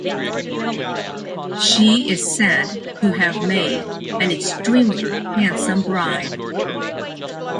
She is said to have made an extremely handsome bride.